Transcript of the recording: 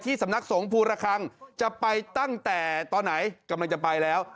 สำนักสงภูระคังจะไปตั้งแต่ตอนไหนกำลังจะไปแล้ว